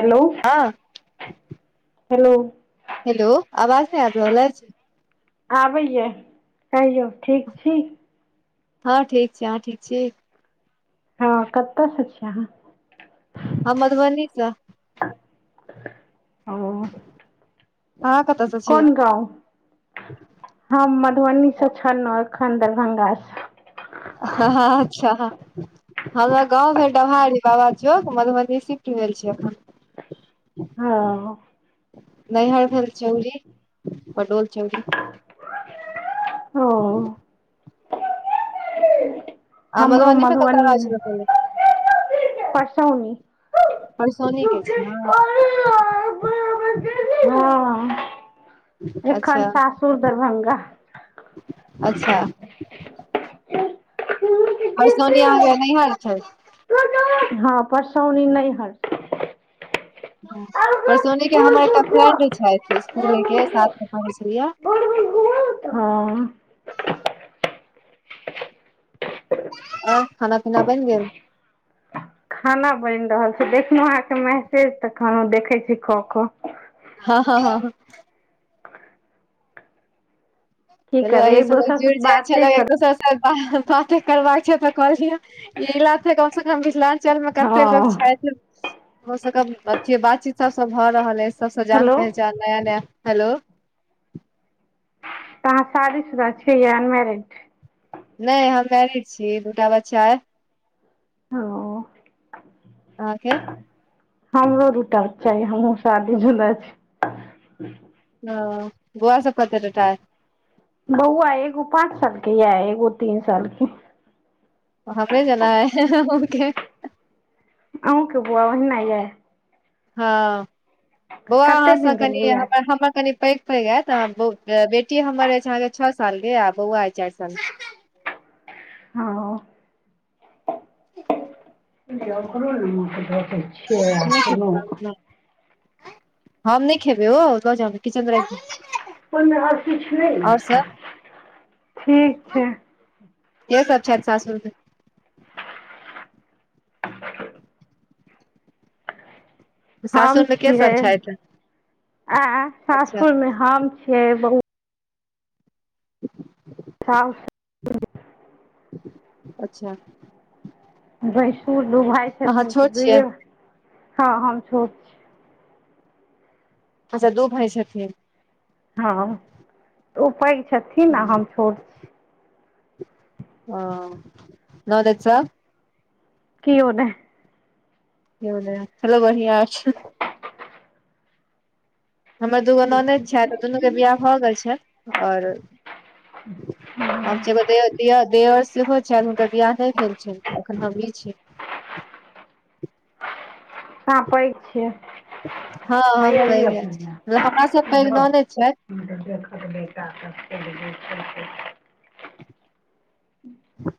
Hello? हँ hello? Hello -अवाज नय आइब रहल अइछ? आबैयैऽ। कहियौ ठीक छी? हँ ठीक छी। अहां ठीक छी? हँ कत स छियै अहां? हम मधुबनीस। ओ आहां कत्त? कोन गाँव? हम मधुबनीसँ छलौं, एखन दरभंगा स। हँ -हँ अच्छा हँ- हमर गाँंव भेल डवहारी बाबा चौक, मधुबनी सिफ्ट भेल छी एखन। हँ नैहर भेल चौउड़ी पंडोल चौउरी। ओ आ हमरो मधुबनी मे कतऽ रहै मधुबनीयेमे। छलौ पहिले परसौनी। परसौनी हँ- के छी अहाँ एखन अच्छा। सासुर दरभंगा अच्छा। परसौनी आंके नैहर छैथ। हँ, परसौनी नैहर हँ परसोनी के हमर एकटा फ्रेंड छैथ। इसकुले के साथ में पढै छलियैयेऽ। [unintelligible] आओर खाना पीना बनि गेल? खाना बनि रहल छै, देखलौं अहाँके मैसेज त कहलौं देखै छी क ख। हँ हँ हँ की चलु करबै अही एक सभमे दोसरसँ जुरि जाइ बाते छलै एक कर दोसर सं। [unintelligible] बाते करबाक छै त क लिअ। ई लाथे कम से कम [unintelligible] चलमे कते हँ लोग छथि [inaudible] ओ सं कम अथी बातचीत सब सं भ रहल अछि। सब सं जान हेलो पहचान नया नया, हेलो तऽ अहाँ शादीशुदा छी या अनमैरेड? नै हम मैरेड छी, दूटा बच्चा अइ। ओ [inaudible] अहांके? हमरो दू टा बच्चा अइ, हमहुं शादीशुदा छी। [inaudible] ह, [inaudible] बौआ सब कते टटा अइ? बौआ एगो पाँच सालके या, एगो तीन सालके। हमरे जना अइ हं-हं अहुंके। अहुंके बौआ ओहिना ऐइ? हँ बौआ कते अहाँ दिन सं भेल कनी, बियाह के हमर हमर कनि पैघ पैघ अइ त बौ बे बेटी हमर अछि अहाँके छ साल के आ बौआ अइ चारि सालके। हँ ओ? [unintelligible] आ नहि अपनोक खेबै [inaudible] हम नै खेबै ओ, ल जाउ ने किचनमे राखि दिऔ। ओइमे आओर किछ नै ने छै। [inaudible] ठीक छै। के सब छनि सासुरमे। सासुर हम मे के सब छियै, छथि आँ अच्छा सासुरमे हम छियै बौ [inaudible] [inaudible] अच्छा [inaudible] भैंसुर दू भाइ अहाँ छथिन त छोट छियै दुइए, [inaudible] हँ हम छोट छिअइ अच्छा दु भाइ छथिन? हँ [inaudible] त ओ पैघ छथिन ओ आ हम छोट। छी [inaudible] [unintelligible] किओ नै। [unintelligible] हेलो बढ़िआँ। [unintelligible] हमर दू गो ननैद छथि आ दुनूके बियाह भ गेल छनि आओर [inaudible] [unintelligible] दिअर सेहो छनि, हुनकर बियाह नै भेल छनि अखन हमहीं छी। अहाँ पैघ छियै? [inaudible] हँ हम हैया लिअ पैघे छी, पहिने हमरा सं ई पैघ धऽ ननैद छैथ। [unintelligible] ह्म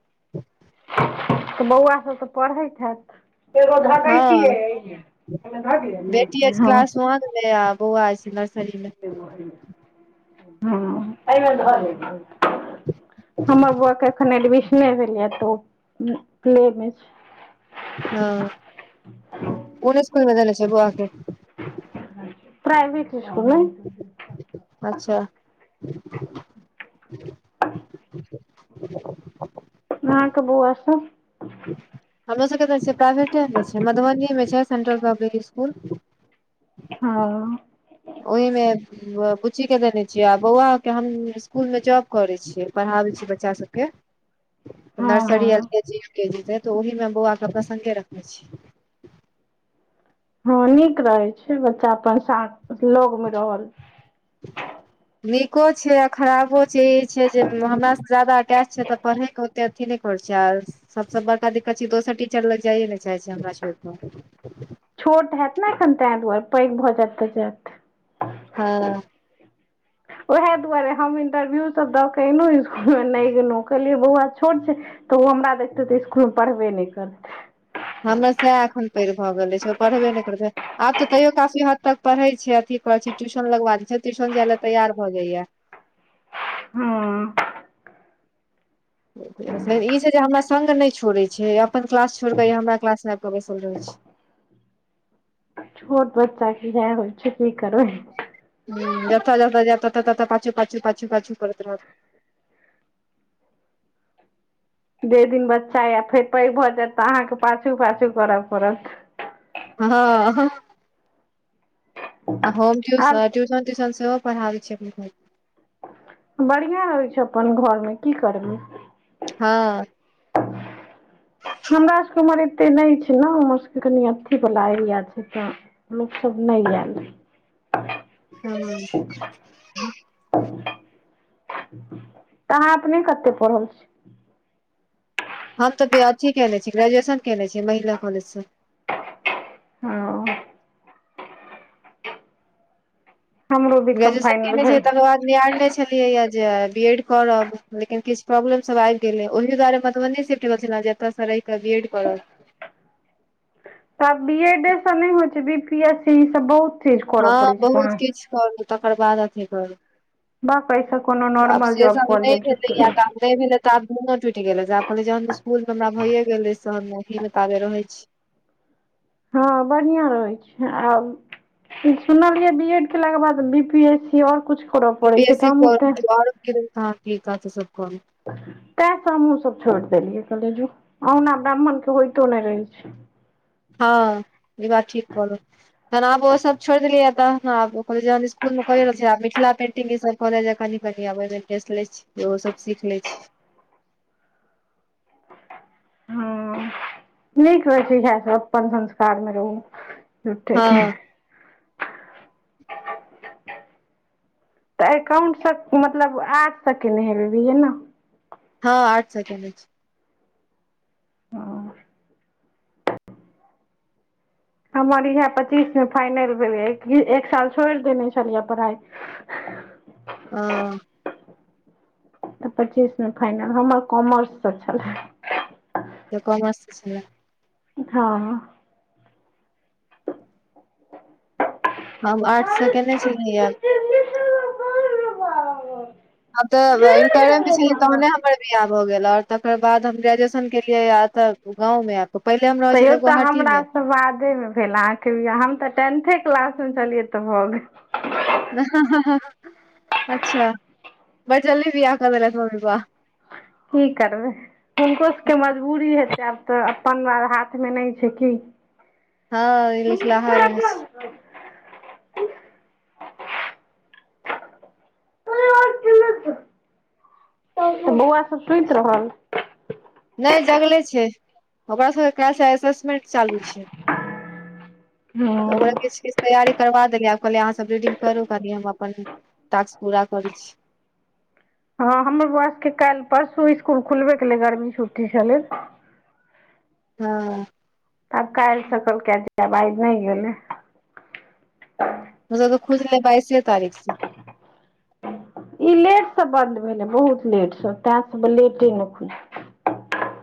त बौआ सब त पढ़ैत हैत? एगो ध दै छी हँ यै, [inaudible] अइमे ध धिअ ने? हं क देबै आ बौआ अछि नर्सरी मे। [unintelligible] अइमे ध देलियै। हमर बौआ के अखन एडमिशने भेलिय तऽ प्ले में छै। हँ, कोन स्कुलमें देने छै बौआकेे। प्राइवेट इसकुल में। अच्छा। [unintelligible] अहाँ के बौआ सब। हमरो सबके तऽ प्राइवेटे में छै, मधुबनी में छै सेंट्रल पब्लिक स्कूल। हँ। ओहि में। बुच्ची के देने छियै, आ बौआ के हम स्कुलमें जॉब करै छियै, पढ़ाबे छीयै बच्चा सब के। [unintelligible] नर्सरी, एल हँ के जी, यू के जी दे तऽ ओहि में बौआकेँ अपना सङ्गे रखने छी। हँ नीक रहै छै, बच्चा अपन सा लगमें रहल। नीको छै आ खराबो छै, ई छै जे हमरासॅ जादा अटैच छै तऽ पढ़ैके। अथी नहि करै छै आर सबसँ बड़का दिक्कत छै दोसर टीचर लग जाइए ने चाहै छै हमरा छोइर कऽ। छोट हैत ने एखन तैं दुआरे, पैघ भऽ जायत तऽ जायत। हँ। ओएहे दुआरे हम इंटरव्यू सब दऽ के एलहु स्कुल में नहि गेलहु कहलियै बौआ छोट छै। तऽ ओ हमरा देखते तऽ स्कुलमें पढ़बे नइ करतै। हमरा सएह एखन पैइर भऽ गेल अछि ओ पढ़बे नहि करतै। आब तऽ तैयो कफी हद तक पढ़ै छै, अथी कर छै ट्यूशन लगवा छै, ट्यूशन जाय ले तैयार भऽ जायै। हाँ। लेकिन ई छै जे हमरा सङ्ग नहि छोड़ै छै, अपन क्लास छोड़िकऽ ई हमरा क्लास में आबि कऽ बैसल रहै छै। छोट बच्चाकऽ इहै होइ छै, की करबै। हूं जतऽ-जतऽ, ततऽ- ततऽ पाछू-पाछू, पाछू-पाछू करैत रहत। जै दिन बच्चा या फेर पैघ भऽ जायत तऽ अहाँके पाछू- पाछू करऽ पड़त। हँ, होम आब टूयूशन-टूयूशन सेहो। पढ़ाबै छै अपने भइ। बढ़ियां अइछ अपन घर में की करबै। हँ। [unintelligible] हमरा सबके उम्हर एते नै छै न, हमरा सबके कनि अथी वाला एरिया छै तऽ। लोक सब नइ यैल। हँ, तऽ अहाँ अपने कते पढ़ल छी। हम तऽ बी अथी केने छी, ग्रेजुएशन केने छि महिला कॉलेज सॅ। हाँ। हमरो बी कम ग्रेजुएशन फाइनल कने छै भेल तकर बाद बी आने छै। छलियै जे बी एड करब लेकिन किछु प्रॉब्लम सब आबि गेलै, ओहि दुआरे मधुबनी सिफ्ट भेल छलौं जे। ओतऽ सॅ रहीके बी एड करब। तऽ बी एडए से नहि होइ छै, बी पी एस सी ई सब बहुत चीज करऽ पड़ै छै कहाँदन। करलू, तकर बाद अथी करू। भक अइसे कोनो नॉर्मल जॉब कॉलियै छुट्टी। नइ भेले तऽ आब मूनो टूटि गेलै आब जहन स्कूल में हमरा भये गेले तहन अही में ताबे रहै छी। हँ बढ़िआँ रहै छै आब। सुनलियै बी एड केलाके बाद बी पी एस सी आओर कुछ करऽ पड़ै छै, हमहूं तैं। त ठीक कहत सब कोन। तेय सँ हमहूँ सब छोड़ि देलियै कहले जो अहुना ब्राह्मण कियै होइतो नहि रहै छै। हँ ई बात ठीक करलहु तहन आब ओ सब छोड़ि देलिया तहनऽ आब। इसकुल में कहे रहल छिय मिथिल पेंटिंग कहलिय जे कनी-कनी आब ओइ मे इंटेस्ट लै छि फेर ओहो सब सीख लैछी। ह नीक रहै छै इएह सब अपन संस्कार में रहू। झूठे हँ के। तऽ एकाउंट स मतलब आठ स केने हेबेबही नऽ। हँ आठ स केने छी। हँ। हमर इह पच्चीस मे फाइनल भेलै एक साल छोड़ि देने छलियै पढ़ाइ। हाँ। तऽ पच्चीस मे फाइनल हमर कॉमर्स सँ छलेह। त कॉमर्स छलेह हँ। हम आर्ट स केने छलिहा। ह तऽ इटरेय में छेलिइ तहने हम। हमर बिआह भ गेल आऔर तकर बाद हम ग्रेजुएशन केेलिय एत गाँंव मे आब पहिले हमरा। तैयो तऽ हमरा सँ बादे में भेल अहाँ के बिहा हम तऽ टेंथे क्लास मे छलियै तऽ भऽ गेल। अच्छा बढ़ जल्दी बिआहा कऽ देलाइथ मम्मी प्पा। की करबै। हुनको सबके मजबूरी हेतै आब तऽ अपन हाथ में नहि छै की। हँ ई लिखलहा रहै छै। बऊआ सब सुइत रहल। नहि जगले छै ओकरा सबके काइल सँ एसेसमेंट चालू छै। हँ त ओकरा किछ किछ तैयारी करबा देलिय आ कहलिय अहाँ सब रीडिंग करू कनि हम अपन टास्क पूरा करै छी। हँ हमर बौआ सबके काल्हि परसू इसकुल खुलबे केलै गर्मी छुट्टी छलै। हँ। त आब काल्हि स कहलकै या जेब आइ नहि गेलै। ओत तऽ खुजलै बइसे तारीख से। ई लेट सँ बंन्द भेलै बहुत लेट से तेय सब लेटे में खुजल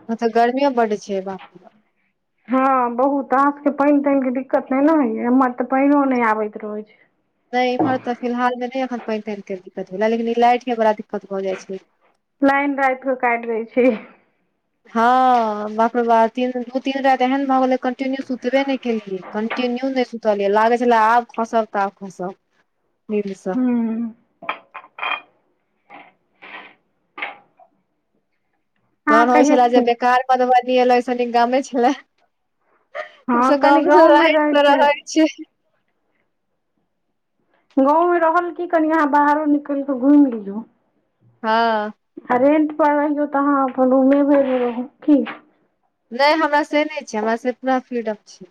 हाँ तऽ गर्मीओ बड छै बाप रे बाट। हँ बहुत अहाँ सभके पइन तइन के दिक्कत नहि ने होइया एम्हर तऽ पइनो नहि आबैत रहै छै। नहि एम्हर तऽ फिलहाल मे नहि एखन पइन तइन के दिक्कत भेला लेकिन ई लाइट के बड़ा दिक्कत भऽ जाइ छै। लाइन राति क काटि दै छै। हँ बाप रे बाप तीन दू तीन राति एहन भए गेलै कंटिन्यू सुतबे नहि केलियै। कन्टिन्यू नहि सुतल यै लागै छलाह आब खसब तऽ आब खसब निंदसँ। हू। अहाँ तहन होइ कहियो छलाह जे की बेकार मधुबनी एलौ ओइ सँ नीक गामे छलेह। कम हँ स कनि गाँमसँ गाँवमे रहैत त छै रहै छैय। गाँंव मे रहल की कनि अहाँ बाहरो निकल कऽ घुमि लियै। हँ। आ रेंट पर रहियौ तऽ अहाँ अपन रूमे भैइर में रहु। की? नय हमरा से नय छै हमरा से पूरा फ्रीडप छै।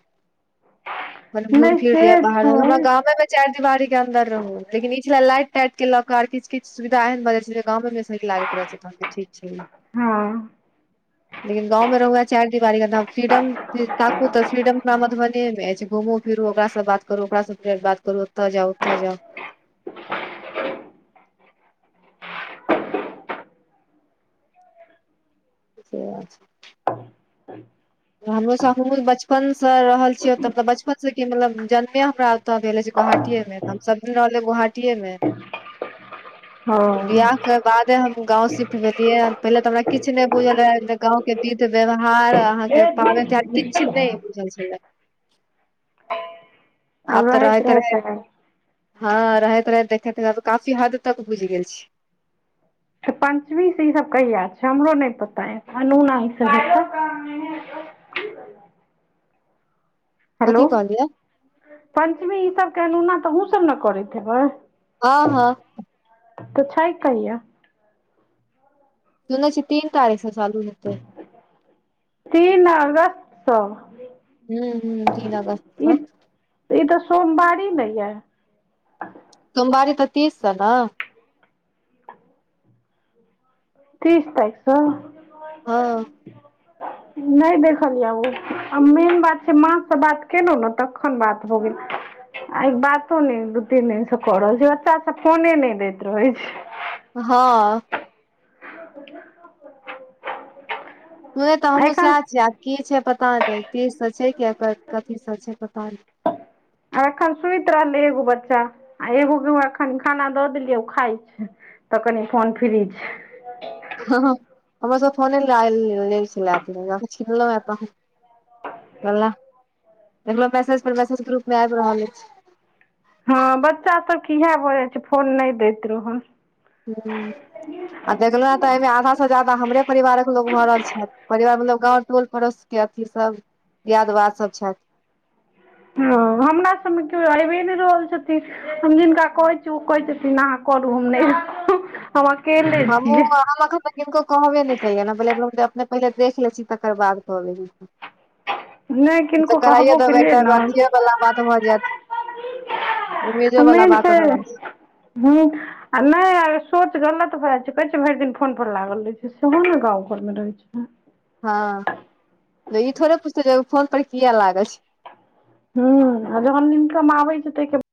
अप्पन घूइम नहि फिइर से लिय बाह्ऱमें। छै हमरा गामे में चाइर दिवारी के अन्दर रहु। लेकिन ई छले लाइट- ताइट के लऽ क आ किछ- किछ सुविधा एहन भ जाय छै जे गांमे मे नीक लागैत रहै छै तहन त ठीक छै। हँ। लेकिन गाँवमे रहुए चाइर दिवारी के अंदर। फ्रीडम ताकू तऽ फ्रीडम हमरा मधुबनीयेंं मे अइछ। घुमू फिरू ओकरासँ बात करू ओकरासँ फेर बात करू ओतऽ जाउ ओतऽ जाउ। से बात छै। हं। हमरोसभ हमहूँ बचपनसँ रहल छियै तऽ मतलब बचपनसँ कि मतलब जन्मे हमरा त देले छै गुहाटीए मे तऽ हम सब दिन रहलियै गुहाटीए मे। [unintelligible] हँ बिआह के बादे हम गाँव सिफ्ट भेलियैयैन। पहिले ते हमरा किछ नय बुझल रहेऽ गांव के विध- व्यवहार पावैन -तिहाड किछ्छ नय बुझल छलै। आब तऽ रहैत रहैत। हँ रहैत -रहैत देखैत काफी हद तक बुइझ गेल छी। त पञ्चमी से ई सब कहिया छै? हमरो नय पता अय। अनुना ई सब हेतय। कथी हेलो- कहलियै पञ्चमी ईसभ के अनोना तऽ अहुं सब ने करैत हेबय? ह- हँ। तऽ छैय कहिया? सुनय छी तीन तारीख स चालू हेतय तीन अगस्त सऽ। हूं- हुं- तीन अगस्त स। ई तऽ सोमवारी ने यैऽ। सोमबारी तऽ तीस स नऽ। तीस तारीक स? हँ। [unintelligible] नय देखलियै ओ आ मेन बात छै माँसँ बात केलौं ने तख्खन बात भ गेल। आय बातो ने दू -तीन दिन से कर रहल छै बच्चा सब फोने नय दैत रहै छै। ह। [unintelligible] सुयै तऽ हमहूँ सैह एखन छीयै आ की छै पता नय तीस स छै कि कथी स छै? पता नय। [unintelligible] आ एखन सुइत रहलै एग्गो बच्चा आ एग्गो के एखन खाना दऽ देलियै ओ खाय छै। त कनी फोन फ्रीज। हं-हं हमरास फोने लय आयल लै छलै छीनलहुँहें तहन वल्ला। देखलौं मैसेज पर मैसेज ग्रुप मे आइब रहल अइछ। हँ बच्चा सबके यैह भऽ जाइ छै फोन नय दैत रहौ। हूं। आ देखलोहें तऽ अयमे आधा से जादा हमरे परिवारक लोग भरल छैथ। परिवार मतलब गाँव, टोल- पड़ोस। के अथी सब। दीयादवाद सब छैथ। हँ, हमरा सबमे केओ आबे नहि रहल छथिन। हम जिनका कहै छी, ओ कहै छथिन अहाँ करू हम नहि करब, हम अकेले छियै। त हम कुबे [unintelligible] किनको कहबे नहि केलिएन, अपने पहिले देख लेै छी, तेकर बाद कहबे। नहि तऽ किनको कराइए कहबो देबै, केलियै तऽ ने अथिएवला बात भऽ जायत। आ उम्मीदें बला मेन बात भ जैत छै। हूँ। आ नहि आ सोच गलत भए जाइ छै, कहै छै भरि दिन फोन पर लागल रहै छै, सेहो ने गाँव घरमे रहैत छै। हँ, ई थोड़े पुछतय फोन पर किएक लागल छी। हुअ जहन ईनमकम आबै छै, तय के